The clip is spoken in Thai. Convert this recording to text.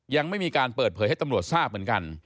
ยังไม่มีการเปิดเผยให้ตำรวจทราบเหมือนกัน